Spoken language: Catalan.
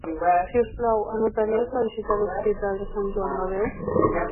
Si us plau, anotaries la visita a l'Hospital de Sant Joan de Déu?